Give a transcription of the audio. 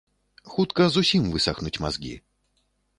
Хутка зусім высахнуць мазгі.